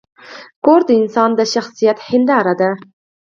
کور د انسان د شخصیت هنداره ده.